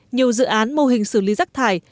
nhiều dự án mô hình xử lý rắc thải